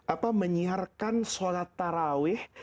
apa menyiarkan sholat taraweh